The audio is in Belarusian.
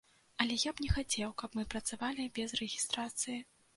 Але я б не хацеў, каб мы працавалі без рэгістрацыі.